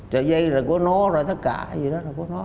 trời dây là của nó rồi tất cả gì đó là của nó